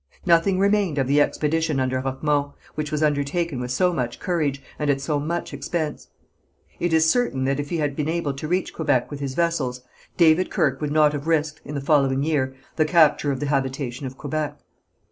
Nothing remained of the expedition under Roquemont, which was undertaken with so much courage, and at so much expense. It is certain that if he had been able to reach Quebec with his vessels, David Kirke would not have risked, in the following year, the capture of the habitation of Quebec.